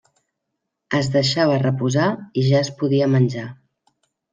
Es deixava reposar i ja es podia menjar.